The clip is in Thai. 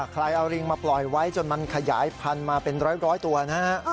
ใครเอาลิงมาปล่อยไว้จนมันขยายพันธุ์มาเป็นร้อยตัวนะฮะ